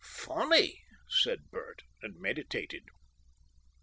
"Funny!" said Bert, and meditated.